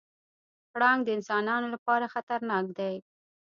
پړانګ د انسانانو لپاره خطرناک دی.